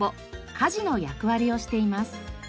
かじの役割をしています。